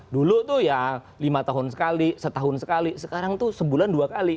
dulu tuh ya lima tahun sekali setahun sekali sekarang tuh sebulan dua kali